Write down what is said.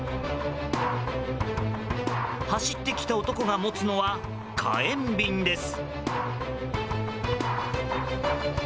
走ってきた男が持つのは火炎瓶です。